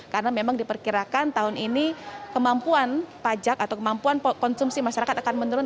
karena memang diperkirakan tahun ini kemampuan pajak atau kemampuan konsumsi masyarakat akan menurun